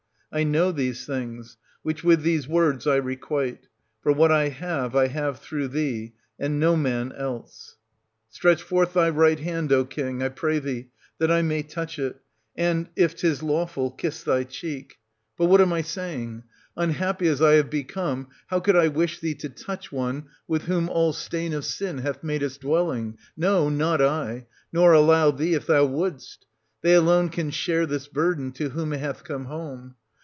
I know these things, which with these words I requite ; for what I have, I have through thee, and no man else. Stretch forth thy right hand, O king, I pray thee, 1130 that I may touch it, and, if 'tis lawful, kiss thy cheek. — I02 SOPHOCLES, [1132— 1161 But what am I saying? Unhappy as I have become, how could I wish thee to touch one with whom all stain of sin hath made its dwelling? No, not I,— nor allow thee, if thou wouldst. They alone can share this burden, to whom it hath come home.